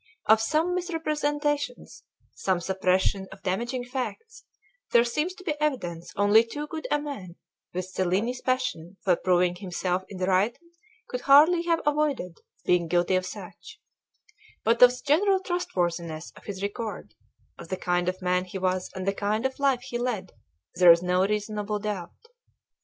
Of some misrepresentations, some suppressions of damaging facts, there seems to be evidence only too good a man with Cellini's passion for proving himself in the right could hardly have avoided being guilty of such ; but of the general trustworthiness of his record, of the kind of man he was and the kind of life he led, there is no reasonable doubt.